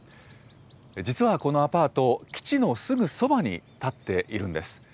実はこのアパート、基地のすぐそばに建っているんです。